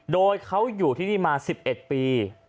โดยเขาอยู่ที่นี่มา๑๑ปี